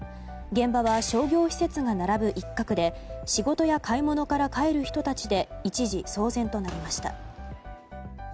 現場は商業施設が並ぶ一角で仕事や買い物から帰る人たちで一時、騒然となりました。